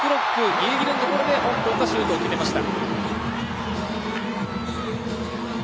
ギリギリのところで香港がシュートを決めました。